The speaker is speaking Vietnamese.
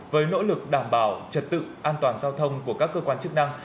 với nỗ lực đảm bảo trật tự an toàn giao thông của các cơ quan chức năng